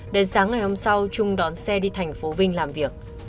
đến sáng ngày hôm sau trung đón xe đi thành phố vinh làm việc